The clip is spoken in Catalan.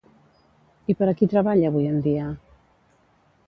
I per a qui treballa avui en dia?